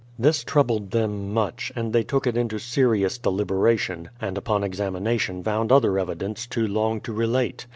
This troubled them much, and they took it into serious deliberation, and upon examination found other evidence too long to relate.